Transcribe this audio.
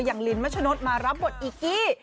อย่างลินมะชะนดมารับบทอิกกี้